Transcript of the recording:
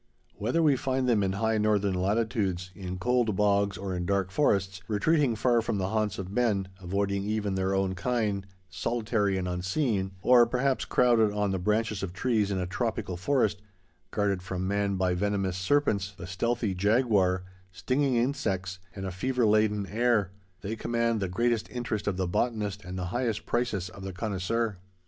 Whether we find them in high northern latitudes, in cold bogs, or in dark forests, retreating far from the haunts of men, avoiding even their own kind, solitary and unseen; or perhaps crowded on the branches of trees in a tropical forest, guarded from man by venomous serpents, the stealthy jaguar, stinging insects and a fever laden air; they command the greatest interest of the botanist and the highest prices of the connoisseur.